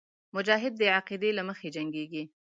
مجاهد د عقیدې له مخې جنګېږي.